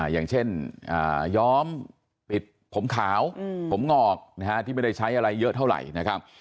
อย่างเช่นย้อมปิดผมขาวผมงอกที่ไม่ได้ใช้อะไรเยอะเท่าไหร่นะครับ